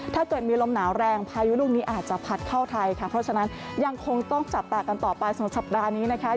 ถ้าเกิดมีลมหนาวแรงพายุลูกนี้อาจจะพัดเข้าไทยค่ะเพราะฉะนั้นยังคงต้องจับตากันต่อไปสำหรับสัปดาห์นี้นะคะ